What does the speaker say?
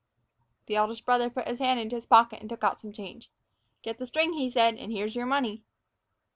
The eldest brother put his hand into his pocket and took out some change. "Get the string," he said, "and here's your money."